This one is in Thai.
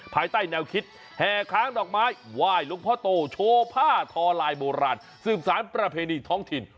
ภายใต้แนวคิดแห่ค้างดอกไม้ไหว้หลวงพ่อโตโชว์ผ้าทอลายโบราณสืบสารประเพณีท้องถิ่น